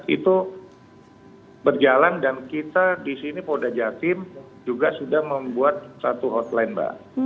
itu berjalan dan kita di sini polda jatim juga sudah membuat satu hotline mbak